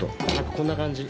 こんな感じ。